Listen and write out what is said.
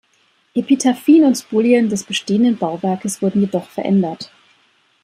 Epitaphien und Spolien des bestehenden Bauwerkes wurden jedoch verändert.